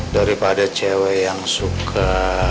daripada cewek yang suka